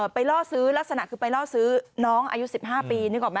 ไปล่อซื้อลักษณะคือไปล่อซื้อน้องอายุ๑๕ปี